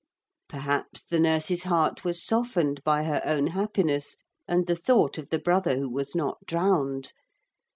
Perhaps the nurse's heart was softened by her own happiness and the thought of the brother who was not drowned.